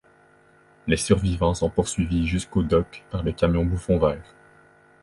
Les survivants sont poursuivis jusqu'aux docks par le camion Bouffon vert.